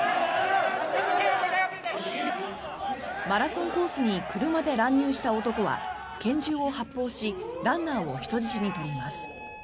マラソンコースに車で乱入した男は拳銃を発砲しランナーを人質に取ります。